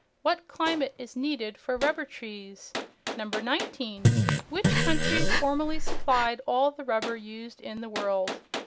What climate is needed for rubber trees? 19. Which country formerly supplied all the rubber used in the world?